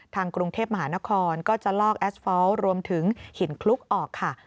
ทางกรุงเทพมหานครก็จะลอกแอสฟาลต์รวมถึงหินคลุกออกค่ะ